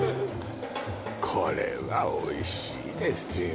これはおいしいですよ